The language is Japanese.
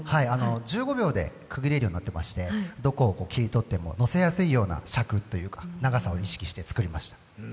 １５秒で区切れるようになってましてどこを切り取ってもノせやすいような尺というか長さを意識して作りました。